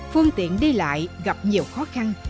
phương tiện đi lại gặp nhiều khó khăn